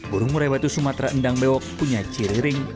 burung murai batu sumatera endang bewok punya ciri ring